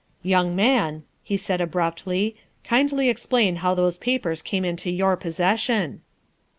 " Young man," he said abruptly, " kindly explain how those papers came into your possession."